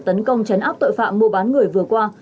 tấn công chấn áp tội phạm mua bán người vừa qua